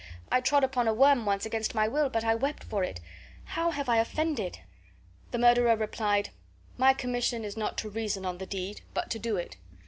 I trod upon a worm once against my will, but I wept for it. How have I offended?" The murderer replied, "My commission is not to reason on the deed, but to do it."